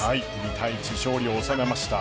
２対１、勝利を収めました。